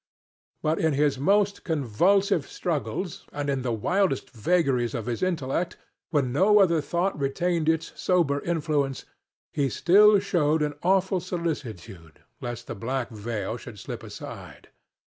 But in his most convulsive struggles and in the wildest vagaries of his intellect, when no other thought retained its sober influence, he still showed an awful solicitude lest the black veil should slip aside.